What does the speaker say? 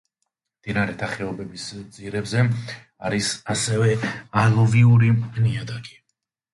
მდინარეთა ხეობების ძირებზე არის ასევე ალუვიური ნიადაგი.